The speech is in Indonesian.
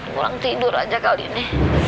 kurang tidur aja kali ini